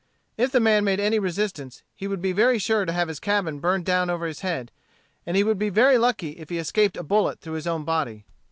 If the man made any resistance he would be very sure to have his cabin burned down over his head; and he would be very lucky if he escaped a bullet through his own body.